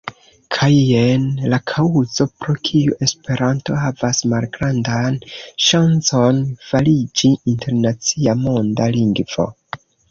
Kaj jen la kaŭzo, pro kiu Esperanto havas malgrandan ŝancon fariĝi internacia monda lingvo.